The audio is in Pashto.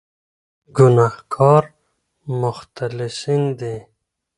ګناهکار مختلسین دي.